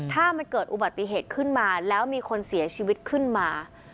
ถ้ามันเกิดอุบัติเหตุขึ้นมาแล้วมีคนเสียชีวิตขึ้นมา